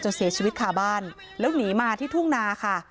เสียชีวิตคาบ้านแล้วหนีมาที่ทุ่งนาค่ะ